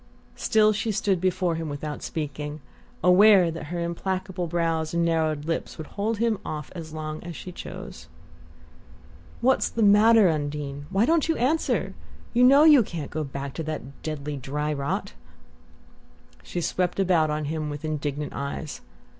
Still she stood before him without speaking, aware that her implacable brows and narrowed lips would hold him off as long as she chose. "What's the matter. Undine? Why don't you answer? You know you can't go back to that deadly dry rot!" She swept about on him with indignant eyes.